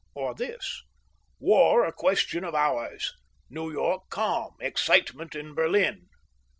or this: WAR A QUESTION OF HOURS. NEW YORK CALM. EXCITEMENT IN BERLIN.